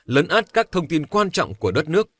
lấn át các thông tin quan trọng của đất nước